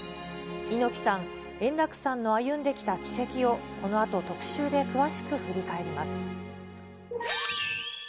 猪木さん、円楽さんの歩んできた軌跡を、このあと特シューで詳しく振り返ります。